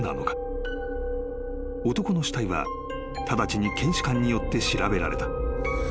［男の死体は直ちに検視官によって調べられた］